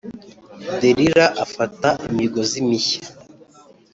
Delila afata imigozi mishya